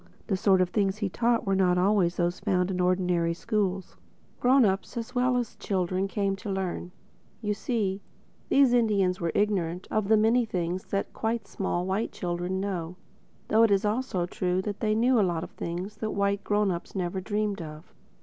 The sort of things he taught were not always those you find in ordinary schools. Grown ups as well as children came to learn. You see, these Indians were ignorant of many of the things that quite small white children know—though it is also true that they knew a lot that white grown ups never dreamed of.